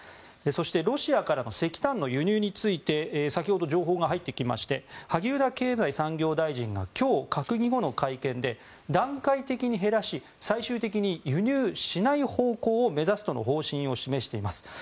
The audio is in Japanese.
そしてロシアからの石炭の輸入について先ほど情報が入ってきまして萩生田経済産業大臣が今日閣議後の会見で、段階的に減らし最終的に輸入しない方向を目指すとの方針を示しています。